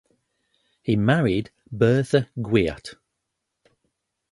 He married Berthe Guiot.